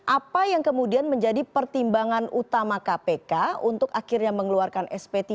apa yang kemudian menjadi pertimbangan utama kpk untuk akhirnya mengeluarkan sp tiga